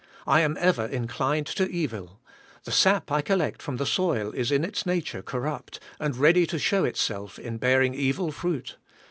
I am ever inclined to evil; the sap I collect from the soil is in its nature corrupt, and ready to show itself in bearing evil fruit.